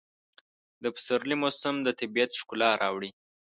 د پسرلي موسم د طبیعت ښکلا راوړي.